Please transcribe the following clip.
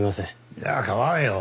いや構わんよ。